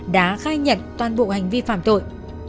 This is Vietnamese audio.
đã khai nhận toàn bộ hành vi phạm tội